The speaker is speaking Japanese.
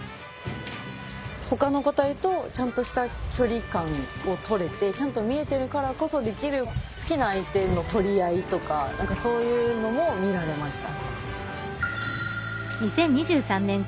ほかの個体とちゃんとした距離感をとれてちゃんと見えてるからこそできる好きな相手の取り合いとか何かそういうのも見られました。